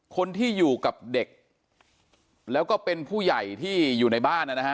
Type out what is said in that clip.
คนที่อยู่กับเด็กแล้วก็เป็นผู้ใหญ่ที่อยู่ในบ้านนะฮะ